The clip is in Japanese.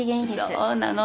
そうなの？